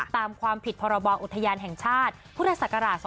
ตามความผิดพบอุทยานแห่งชาติพศ๒๕๐๔